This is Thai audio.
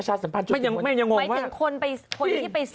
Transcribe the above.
วายถึงคนที่ไปซื้อ